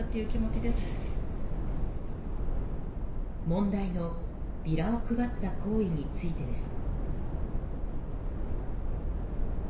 問題のビラを配った行為についてです。